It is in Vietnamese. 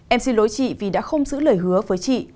em xin lỗi chị vì đã không giữ lời hứa với chị